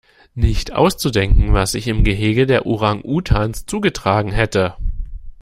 Nicht auszudenken, was sich im Gehege der Orang-Utans zugetragen hätte!